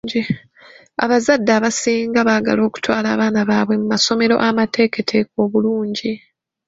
Abazadde abasinga baagala okutwala abaana baabwe mu masomero amateeketeeke obulungi.